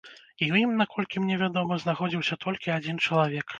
І ў ім, наколькі мне вядома, знаходзіўся толькі адзін чалавек.